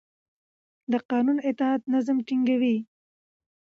د قانون اطاعت نظم ټینګوي